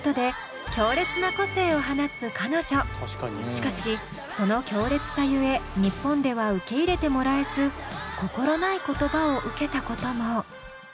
しかしその強烈さゆえ日本では受け入れてもらえず心ない言葉を受けたことも。